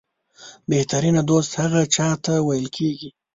بهترینه دوست هغه چاته ویل کېږي